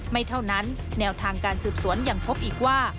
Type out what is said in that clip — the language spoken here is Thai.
ไม่เท่านั้นแนวทางการสืบสวนยังพบอีกว่า